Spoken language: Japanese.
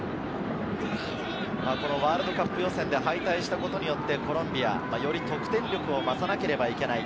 ワールドカップ予選では敗退したことによって、コロンビア、より得点力を増さなければいけない。